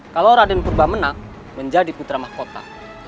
kalau raden purba menang menjadi putra mahkota